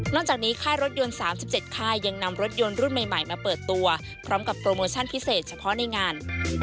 จากนี้ค่ายรถยนต์๓๗ค่ายยังนำรถยนต์รุ่นใหม่มาเปิดตัวพร้อมกับโปรโมชั่นพิเศษเฉพาะในงาน